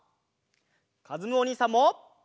かずむおにいさんも！